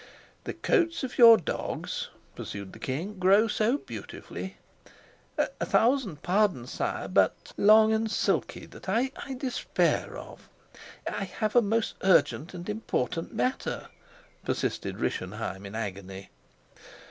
"The coats of your dogs," pursued the king, "grow so beautifully " "A thousand pardons, sire, but " "Long and silky, that I despair of " "I have a most urgent and important matter," persisted Rischenheim in agony.